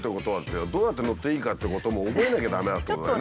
どうやって乗っていいかってことも覚えなきゃ駄目だってことだね。